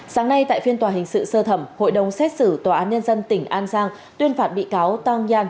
sáng nay tại phiên tòa hình sự sơ thẩm hội đồng xét xử tòa án nhân dân tỉnh an giang tuyên phạt bị cáo tang yann